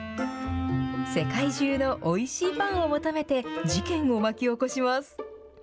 世界中のおいしいパンを求めて、事件を巻き起こします。